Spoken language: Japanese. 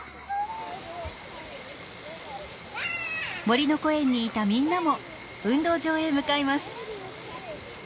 もりのこえんにいたみんなも運動場へ向かいます。